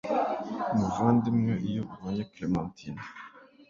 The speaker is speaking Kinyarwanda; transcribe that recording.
muvandimwe, iyo ubonye clementine